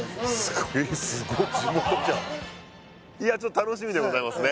すごいいやちょっと楽しみでございますね